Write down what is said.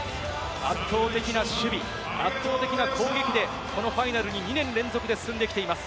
圧倒的な守備、圧倒的な攻撃で、このファイナルに２年連続で進んできています。